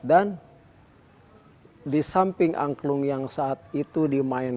dan di samping angklung yang saat itu dimasukkan